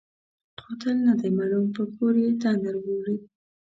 قاتل نه دی معلوم؛ په کور یې تندر ولوېد.